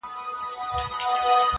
و قاضي صاحب ته ور کړې زر دیناره,